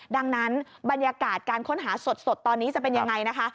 ดังนั้นบรรยากาศการค้นหาสดตอนนี้จะเป็นยังไงนะคะ